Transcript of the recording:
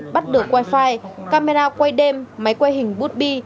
bắt được wifi camera quay đêm máy quay hình bood bi